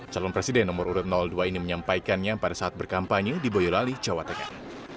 calon presiden nomor urut dua ini menyampaikannya pada saat berkampanye di boyolali jawa tengah